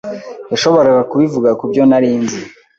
yashoboraga kubivuga kubyo nari nzi.